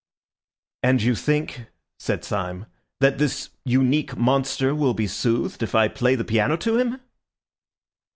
"And you think," said Syme, "that this unique monster will be soothed if I play the piano to him?"